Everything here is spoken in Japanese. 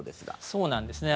そうなんですね。